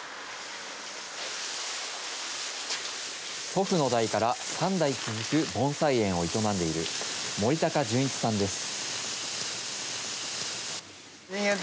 祖父の代から３代続く盆栽園を営んでいる、森高準一さんです。